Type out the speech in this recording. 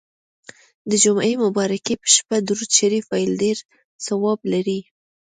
د جمعې مبارڪي په شپه درود شریف ویل ډیر ثواب لري.